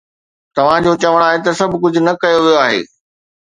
توهان جو چوڻ آهي ته سڀ ڪجهه نه ڪيو ويو آهي